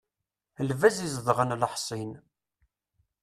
Lbaz izedɣen leḥṣin.